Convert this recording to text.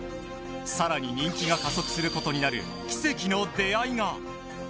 さらに人気が加速することになる奇跡の出会いが！